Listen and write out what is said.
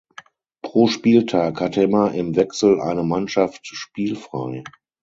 Pro Spieltag hatte immer im Wechsel eine Mannschaft spielfrei.